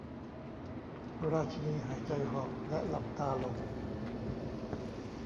ราชีนีหายใจหอบและหลับตาลง